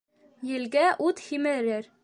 Елгә ут һимерер.